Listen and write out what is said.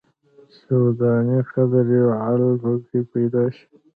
جو دانې قدر یو لعل په کې پیدا شي.